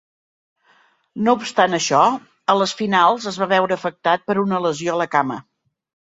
No obstant això, a les finals es va veure afectat per una lesió a la cama.